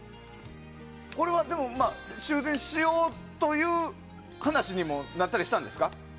これは修繕しようという話にもなったりしたんですか？